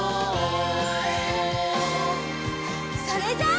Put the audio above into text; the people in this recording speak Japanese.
それじゃあ。